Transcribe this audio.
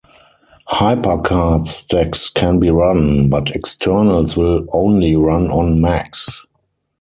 HyperCard stacks can be run, but externals will only run on Macs.